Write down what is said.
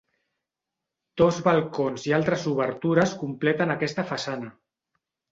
Dos balcons i altres obertures completen aquesta façana.